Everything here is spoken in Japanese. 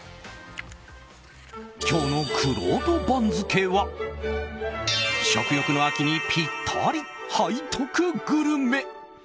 今日のくろうと番付は食欲の秋にぴったり、背徳グルメ。